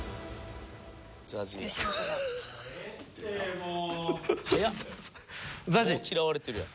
もう嫌われてるやん。